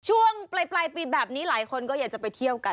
ช่วงปลายปีแบบนี้หลายคนก็อยากจะไปเที่ยวกัน